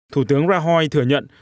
thủ tướng rajoy thừa nhận